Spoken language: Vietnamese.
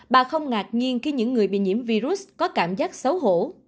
bà không ngạc nhiên khi những người bị nhiễm virus có cảm giác xấu hổ